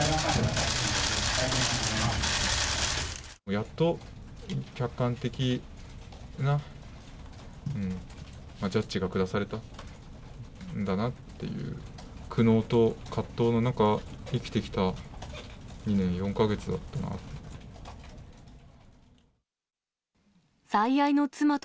やっと客観的なジャッジが下されたんだなっていう、苦悩と葛藤の中、生きてきた２年４か月だったなと。